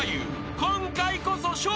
今回こそ笑